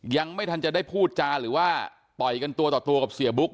ยังไม่ทันจะได้พูดจาหรือว่าต่อยกันตัวต่อตัวกับเสียบุ๊ก